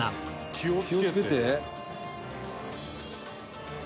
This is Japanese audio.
「気をつけて」「気をつけて」